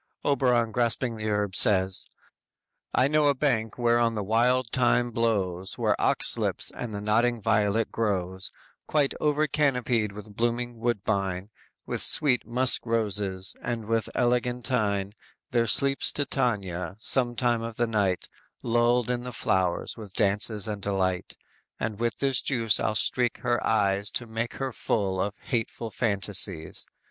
Oberon grasping the herb says: _"I know a bank whereon the wild thyme blows Where ox lips and the nodding violet grows; Quite over canopied with blooming woodbine, With sweet musk roses, and with eglantine; There sleeps Titania, sometime of the night Lulled in these flowers with dances and delight, And with this juice I'll streak her eyes To make her full of hateful fantasies.